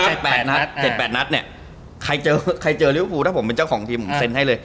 อีก๗๘นัทใครเจอลิ้วภูมิถ้าผมเป็นเจ้าของทีมเซ็นให้เลย